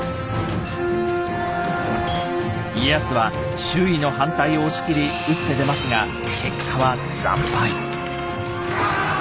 家康は周囲の反対を押し切り打って出ますが結果は惨敗。